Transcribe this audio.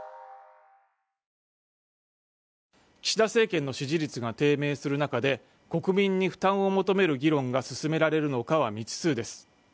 岸田政権の支持率が低迷する中で国民に負担を求める議論が進められるのかは未知数です。